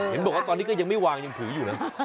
เห็นบอกว่าตอนนี้ก็ยังไม่วางยังถืออยู่นะ